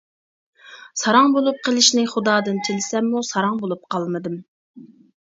ساراڭ بولۇپ قېلىشنى خۇدادىن تىلىسەممۇ ساراڭ بولۇپ قالمىدىم.